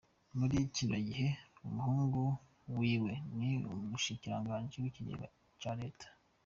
Muri kino gihe umuhungu wiwe ni umushikiranganji w'ikigega ca reta.